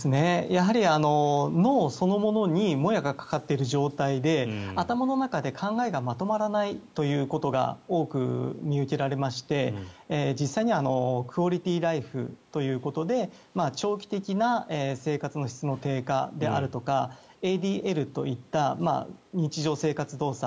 やはり、脳そのものにもやがかかっている状態で頭の中で考えがまとまらないということが多く見受けられまして実際にはクオリティー・ライフということで長期的な生活の質の低下であるとかＡＤＬといった日常生活動作